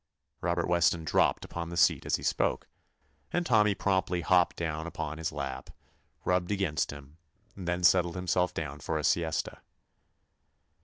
Robert Weston dropped upon the seat as he spoke, and Tommy promptly hopped down upon his lap, rubbed against him, and then settled himself down for a siesta.